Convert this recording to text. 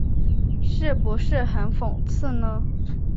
是不是很讽刺呢？